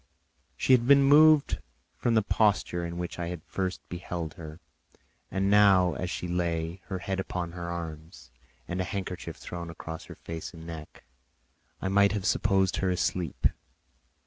She had been moved from the posture in which I had first beheld her, and now, as she lay, her head upon her arm and a handkerchief thrown across her face and neck, I might have supposed her asleep.